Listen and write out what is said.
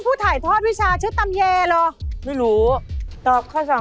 วู้ทัมทั้งแหยเลยหรอหมอ